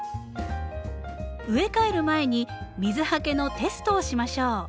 植え替える前に水はけのテストをしましょう。